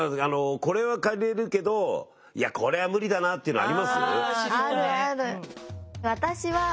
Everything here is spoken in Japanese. これは借りれるけどこれは無理だなっていうのあります？